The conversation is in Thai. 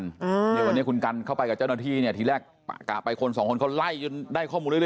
เดี๋ยววันนี้คุณกัลเข้าไปกับเจ้าหน้าที่ที่แรกกากลายคนสองคนนึงเขาใส่ยิ่งได้ข้อมูลเรื่อย